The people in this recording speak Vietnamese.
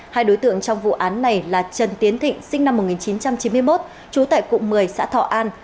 hai đối tượng trong vụ án này là trần tiến thịnh sinh năm một nghìn chín trăm chín mươi một trú tại cụng một mươi xã thọ an